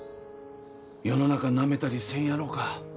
世の中ナメたりせんやろか？